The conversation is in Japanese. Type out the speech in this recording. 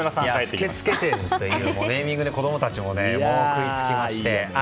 「スケスケ展」というネーミングで子供たちも食いつきまして。